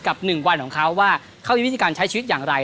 ๑วันของเขาว่าเขามีวิธีการใช้ชีวิตอย่างไร